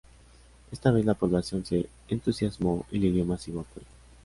Esta vez la población se entusiasmó y le dio masivo apoyo.